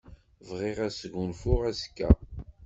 Bɣiɣ ad sgunfuɣ azekka.